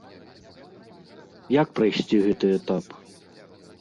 Як прайсці гэты этап?